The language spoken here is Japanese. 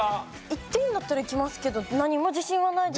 いっていいんだったらいきますけど何も自信はないです。